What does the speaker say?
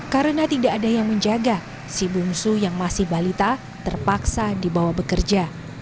karena tidak ada yang menjaga si bungsu yang masih balita terpaksa dibawa bekerja